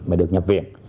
mà được nhập viện